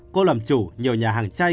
cô làm chủ nhiều nhà hàng chai